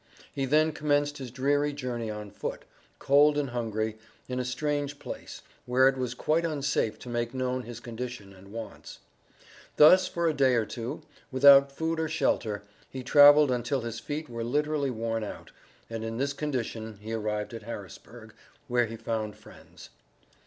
He then commenced his dreary journey on foot cold and hungry in a strange place, where it was quite unsafe to make known his condition and wants. Thus for a day or two, without food or shelter, he traveled until his feet were literally worn out, and in this condition he arrived at Harrisburg, where he found friends.